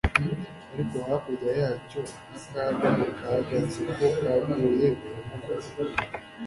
Ariko hakurya yacyo nkakaga kagatsiko kaguye inkuba